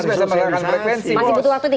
sebagai peregansi masih butuh waktu